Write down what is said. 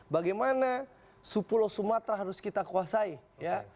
bagaimana pulau sumatera harus kita kuasai ya